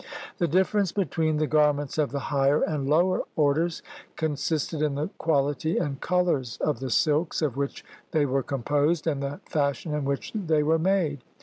The difference between the garments of the higher and lower orders consisted in the quahty and colors of the silks of which they were composed and the fashion in which they were made.